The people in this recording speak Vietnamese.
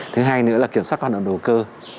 thứ hai nữa là kiểm soát hoạt động đầu cơ